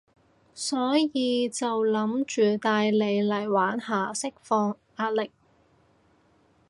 所以就諗住帶你嚟玩下，釋放壓力